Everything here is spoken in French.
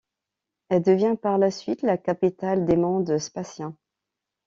Elle devient par la suite la capitale des mondes spaciens.